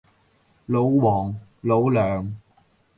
老黃，老梁